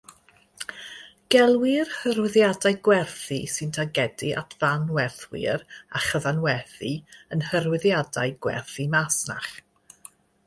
Gelwir hyrwyddiadau gwerthu sy'n targedu at fanwerthwyr a chyfanwerthu yn hyrwyddiadau gwerthu masnach.